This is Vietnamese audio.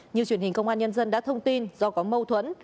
như truyền hình công an nhân dân đã thông tin do có mâu thuẫn